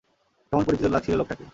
কেমন পরিচিত লাগছিল লোকটাকে।